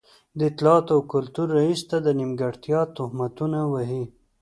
د اطلاعاتو او کلتور رئيس ته د نیمګړتيا تهمتونه وهي.